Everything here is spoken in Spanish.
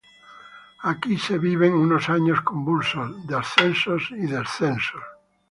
Aquí se viven unos años convulsos, de ascensos y descensos.